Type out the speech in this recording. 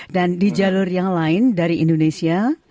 dan di jalur yang lain dari indonesia